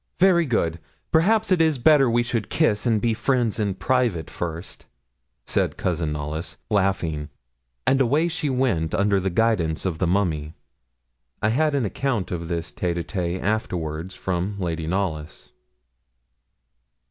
'Very good; perhaps it is better we should kiss and be friends in private first,' said Cousin Knollys, laughing; and away she went under the guidance of the mummy. I had an account of this tête à tête afterwards from Lady Knollys.